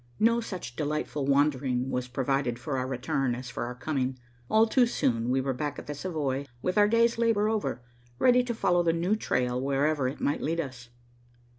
No such delightful wandering was provided for our return as for our coming. All too soon we were back at the Savoy with our day's labor over, ready to follow the new trail wherever it might lead us.